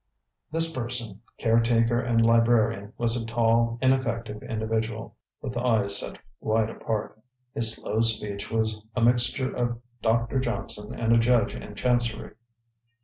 This person, caretaker and librarian, was a tall, ineffective individual, with eyes set wide apart. His slow speech was a mixture of Doctor Johnson and a judge in chancery.